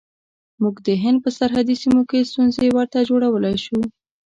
موږ د هند په سرحدي سیمو کې ستونزې ورته جوړولای شو.